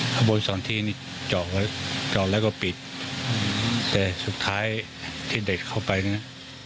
เมื่อวันสองที่นี่เจาะแล้วก็ปิดอืมแต่สุดท้ายที่เด็กเข้าไปเนี้ย